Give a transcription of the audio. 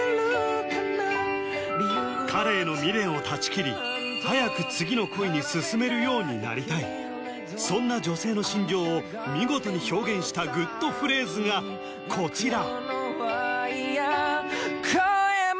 まずは早く次の恋に進めるようになりたいそんな女性の心情を見事に表現したグッとフレーズがこちら！